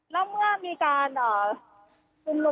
แล้วเมื่อมีการสุดนุมกันได้สักครู่